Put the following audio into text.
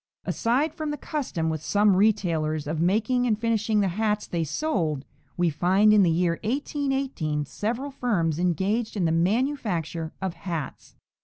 Aside from the custom with some retailers of making and finishing the hats they sold, we find in the year 1818 several firms engaged in the manufacture of hats.